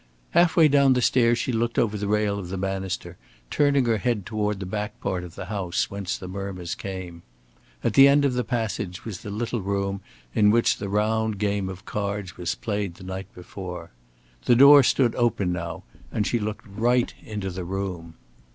Half way down the stairs she looked over the rail of the banister, turning her head toward the back part of the house whence the murmurs came. At the end of the passage was the little room in which the round game of cards was played the night before. The door stood open now, and she looked right into the room.